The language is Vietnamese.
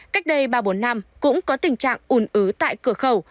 cách đây ba bốn năm cũng có tình trạng ủn ứ tại cửa khẩu